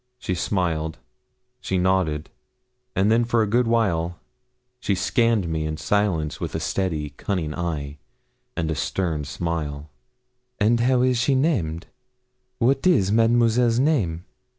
She smiled, she nodded, and then for a good while she scanned me in silence with a steady cunning eye, and a stern smile. 'And how is she named what is Mademoiselle's name?'